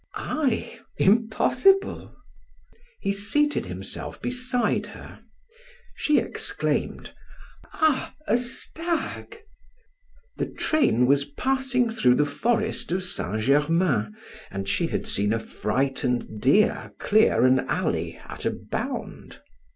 "I? Impossible." He seated himself beside her. She exclaimed: "Ah! a stag!" The train was passing through the forest of Saint Germain and she had seen a frightened deer clear an alley at a bound.